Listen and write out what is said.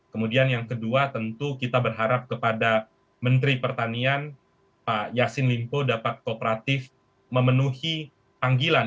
kemudian yang kedua tentu kita berharap kepada menteri pertanian pak yassin limpo dapat kooperatif memenuhi panggilan